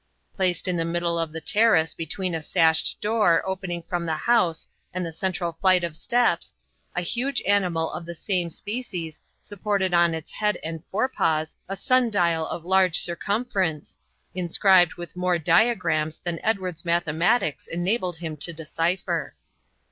Placed in the middle of the terrace between a sashed door opening from the house and the central flight of steps, a huge animal of the same species supported on his head and fore paws a sun dial of large circumference, inscribed with more diagrams than Edward's mathematics enabled him to decipher.